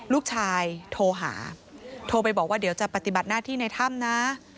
ลูกชายโทรหาโทรไปบอกว่าเดี๋ยวจะปฏิบัติหน้าที่ในถ้ำนะ